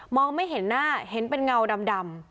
ไม่เห็นหน้าเห็นเป็นเงาดำ